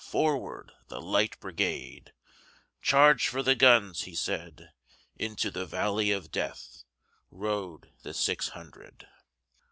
"Forward, the Light Brigade! Charge for the guns!" he said:Into the valley of DeathRode the six hundred.